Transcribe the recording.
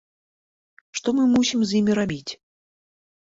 Што мы мусім з імі рабіць?